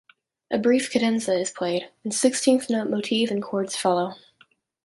A brief cadenza is played, and sixteenth-note motive and chords follow.